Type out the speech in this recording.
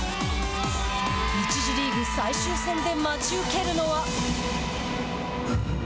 １次リーグ最終戦で待ち受けるのは。